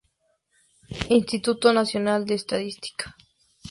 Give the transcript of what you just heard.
Instituto Nacional de Estadística